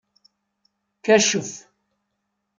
Kacef.